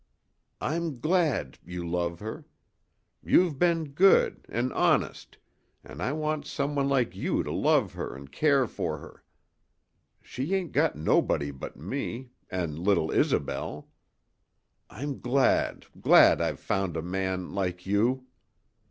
I'm glad you love her. You've been good 'n' honest an I want some one like you to love her an' care for her. She ain't got nobody but me an' little Isobel. I'm glad glad I've found a man like you!"